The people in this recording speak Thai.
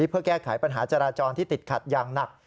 เพื่อแก้ไขปัญหาจราจรที่ติดขัดอย่างหนัก